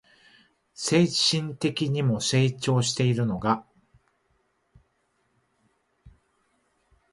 精神的にも成長しているのが